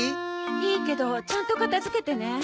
いいけどちゃんと片付けてね。